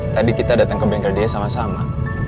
tadi kita datang ke bengkel dia sama sama